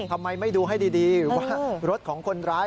ทำไมไม่ดูให้ดีว่ารถของคนร้าย